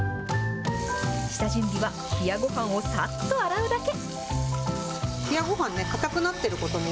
下準備は、冷やごはんをさっと洗うだけ。